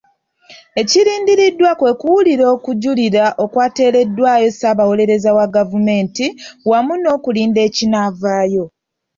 Ekirindiriddwa kwe kuwulira okujulira okwateereddwayo Ssaabawolereza wa gavumenti wamu n'okulinda ekinaavaayo.